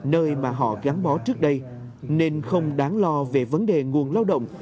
nơi mà họ gắn bó trước đây nên không đáng lo về vấn đề nguồn lao động